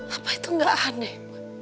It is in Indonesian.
apa itu gak aneh